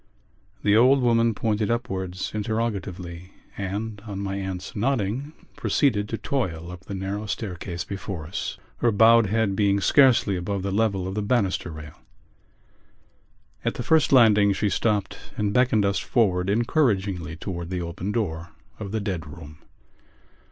The old woman pointed upwards interrogatively and, on my aunt's nodding, proceeded to toil up the narrow staircase before us, her bowed head being scarcely above the level of the banister rail. At the first landing she stopped and beckoned us forward encouragingly towards the open door of the dead room.